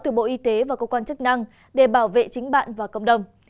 từ bộ y tế và cơ quan chức năng để bảo vệ chính bạn và cộng đồng